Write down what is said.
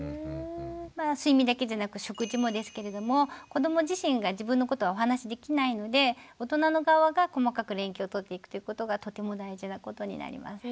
睡眠だけじゃなく食事もですけれども子ども自身が自分のことをお話しできないので大人の側が細かく連携をとっていくということがとても大事なことになります。